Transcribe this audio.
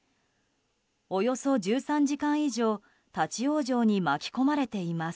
およそ１３時間以上立ち往生に巻き込まれています。